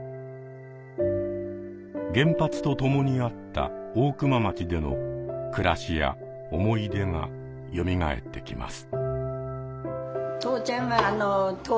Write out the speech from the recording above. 原発とともにあった大熊町での暮らしや思い出がよみがえってきます。